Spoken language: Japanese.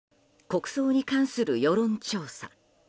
国葬に関する世論調査。